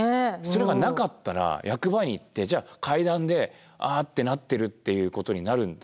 それがなかったら役場に行ってじゃあ階段で「あ」ってなってるっていうことになる。